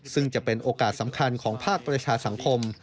ซึ่งจะเป็นโอกาสสำคัญของภาคประชาสังคม